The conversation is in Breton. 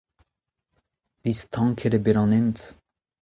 Distanket eo bet an hent.